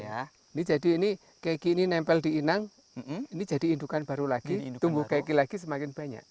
ini jadi ini keki ini nempel di inang ini jadi indukan baru lagi tumbuh keki lagi semakin banyak